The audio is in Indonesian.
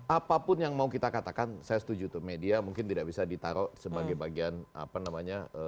apapun yang mau kita katakan saya setuju tuh media mungkin tidak bisa ditaruh sebagai bagian apa namanya